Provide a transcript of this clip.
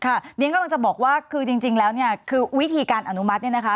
เรียนกำลังจะบอกว่าคือจริงแล้วเนี่ยคือวิธีการอนุมัติเนี่ยนะคะ